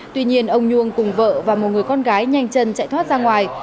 tuy nhiên ông nhung cùng vợ và một người con gái nhanh chân chạy thoát ra ngoài